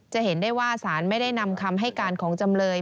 จะเห็นได้ว่าสารไม่ได้นำคำให้การของจำเลย